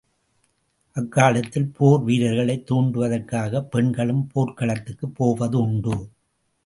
அக்காலத்தில், போர் வீரர்களைத் தூண்டுவதற்காகப் பெண்களும் போர்க்களத்துக்குப் போவது உண்டு.